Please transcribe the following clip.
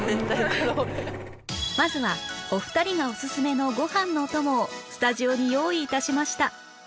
まずはお二人がオススメのご飯のお供をスタジオに用意致しました